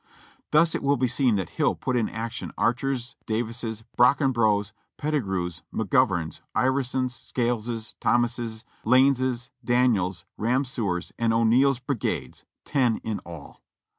Thus it will be seen that Hill put in action Archer's, Davis's, Brockenbrough's, Pettigrew's, McGovern's, Ivison's, Scales's. Thomas's, Lanes's, Daniel's, Ramseur's, and O'Neal's brigades — ten in all.